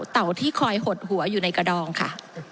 ที่คอยหดหัวอยู่ในกระดองค่ะ